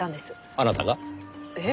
あなたが？ええ。